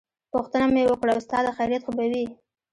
پوښتنه مې وکړه استاده خيريت خو به وي.